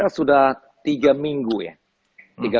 ya kita sudah tiga minggu ya